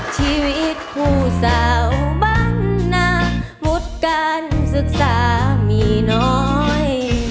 ชีวิตผู้สาวบ้างนะมุดการศึกษามีน้อย